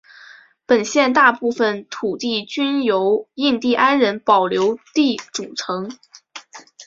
本县大部份土地均由印第安人保留地组成。